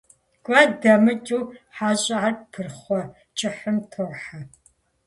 Куэд дэмыкӀыу хьэщӏэхэр пырхъуэ кӀыхьым тохьэ.